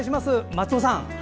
松尾さん。